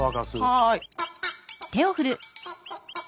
はい。